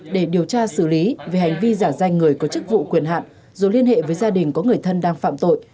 để điều tra xử lý về hành vi giả danh người có chức vụ quyền hạn rồi liên hệ với gia đình có người thân đang phạm tội